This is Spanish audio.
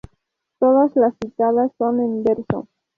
Todas las citadas son en verso.